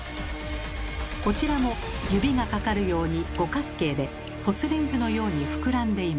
こちらも指がかかるように五角形で凸レンズのように膨らんでいます。